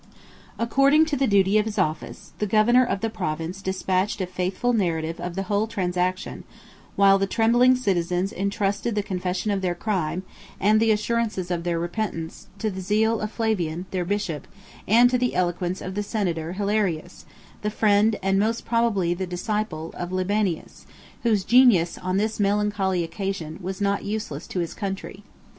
84 According to the duty of his office, the governor of the province despatched a faithful narrative of the whole transaction: while the trembling citizens intrusted the confession of their crime, and the assurances of their repentance, to the zeal of Flavian, their bishop, and to the eloquence of the senator Hilarius, the friend, and most probably the disciple, of Libanius; whose genius, on this melancholy occasion, was not useless to his country.